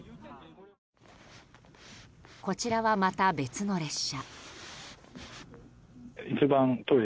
こちらはまた別の列車。